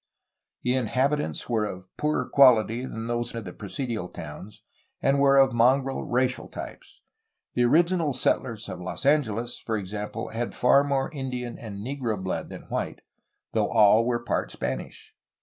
The inhabitants were of poorer quahty than those of the presidial towns, and were of mongrel racial types. The original settlers of Los Angeles, for example, had far more Indian and negro blood than white, though all were part Spanish.